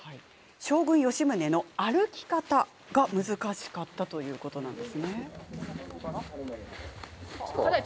将軍、吉宗の歩き方が難しかったということなんです。